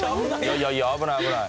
いやいや危ない危ない。